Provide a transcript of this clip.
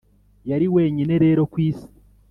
yari wenyine rero ku isi